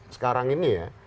sekarang ini ya